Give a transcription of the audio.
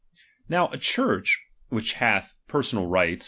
Now a Church, which hath personal rights chap.